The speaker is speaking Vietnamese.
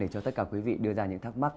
cho tất cả quý vị đưa ra những thắc mắc